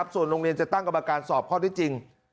ส่วนโรงเรียนจะตั้งกรรมการสอบข้อได้จริง